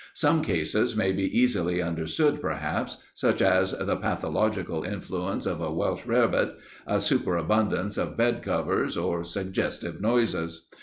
Some cases may be easily understood, perhaps, such as the pathological influence of a Welsh rarebit, a superabundance of bed covers, or suggestive noises.